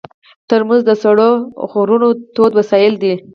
ترموز د سړو غرونو تود وسایل دي.